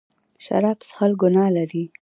شراب څښل ګناه لري.